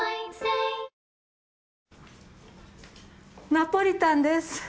ナポリタンです。